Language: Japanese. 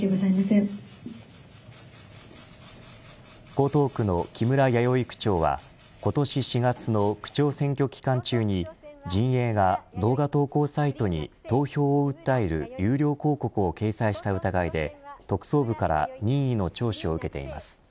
江東区の木村弥生区長は今年４月の区長選挙期間中に陣営が動画投稿サイトに投票を訴える有料広告を掲載した疑いで特捜部から任意の聴取を受けています。